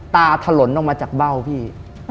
ถลนออกมาจากเบ้าพี่